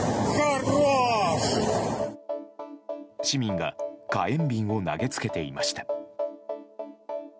市民が火炎瓶を投げつけていました。